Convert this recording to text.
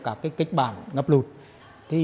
các kích bản ngập lụt